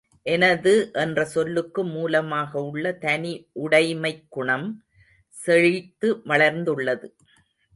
எனது என்ற சொல்லுக்கு மூலமாக உள்ள தனிஉடைமைக்குணம் செழித்து வளர்ந்துள்ளது.